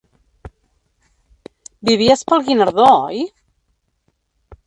Vivies pel Guinardó, oi?